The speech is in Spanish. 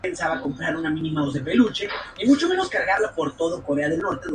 Acompañan decoraciones de granito y placas de bronce.